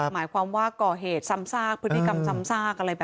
หมายความว่าก่อเหตุซ้ำซากพฤติกรรมซ้ำซากอะไรแบบนี้